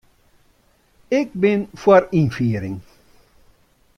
Ik bin foar ynfiering.